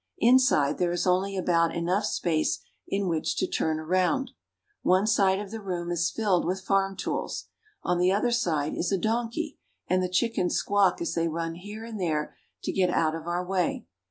Inside there is only about enough space in which to turn round. One side of the room is filled with farm tools. On the other side is a donkey, and the chickens squawk as they run here and there to get out of our way.